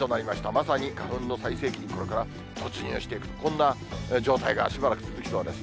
まさに花粉の最盛期に、これから突入していくと、そんな状態がしばらく続きそうです。